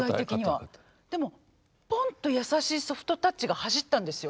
でもポンと優しいソフトタッチが走ったんですよ。